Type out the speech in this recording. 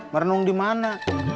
merenung di mana